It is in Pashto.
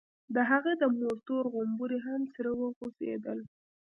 د هغه د مور تور غومبري هم سره وخوځېدل.